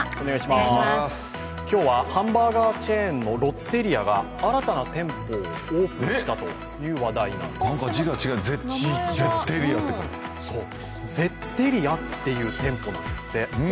今日はハンバーガーチェーンのロッテリアが新たな店舗をオープンしたという話題なんですなんか字が違う、ゼッテリアゼッテリアっていう店舗なんですって。